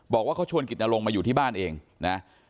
บอกว่าเขาชวนกิจนลงมาอยู่ที่บ้านเองนะ